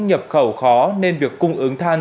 nhập khẩu khó nên việc cung ứng than